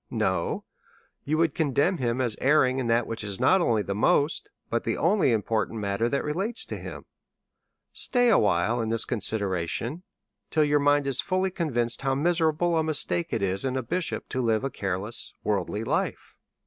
No, you would condemn him as erring in that which is not only tiic most, but the only, impor tant matter that relates to him. Pause awhile in this consideration, till your mind is fully convinced how miserable a mistake it is in a bishop to live a careless, worldly life.